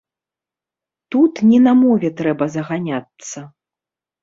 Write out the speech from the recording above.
Тут не на мове трэба заганяцца.